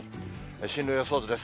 進路予想図です。